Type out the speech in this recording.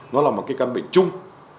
nó là một cái căn bệnh chung